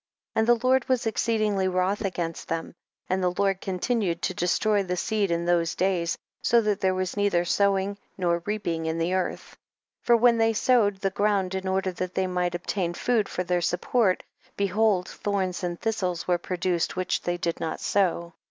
5. And the Lord was exceedingly wroth against them, and the Lord continued to destroy the seed in those days, so that there was neither sowing nor reaping in the earth. 6. For when they sowed the ground in order that they might ob tain food for their support, behold, thorns and thistles were produced which they did not sow.